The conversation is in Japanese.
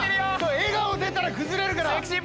笑顔出たら崩れるから！